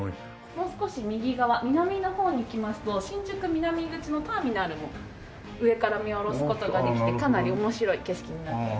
もう少し右側南の方に行きますと新宿南口のターミナルも上から見下ろす事ができてかなり面白い景色になっております。